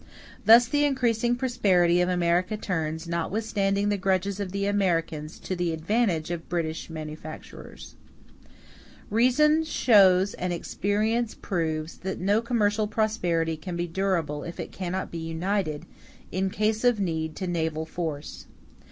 Thus the increasing prosperity of America turns, notwithstanding the grudges of the Americans, to the advantage of British manufactures. Reason shows and experience proves that no commercial prosperity can be durable if it cannot be united, in case of need, to naval force.